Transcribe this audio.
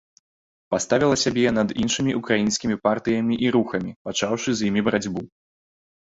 Паставіла сябе над іншымі ўкраінскімі партыямі і рухамі, пачаўшы з імі барацьбу.